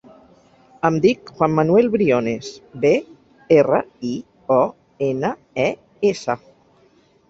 Em dic Juan manuel Briones: be, erra, i, o, ena, e, essa.